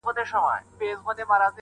زه شاعر سړی یم بې الفاظو نور څه نلرم,